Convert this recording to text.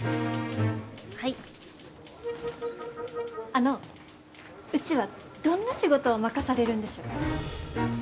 あのうちはどんな仕事を任されるんでしょう？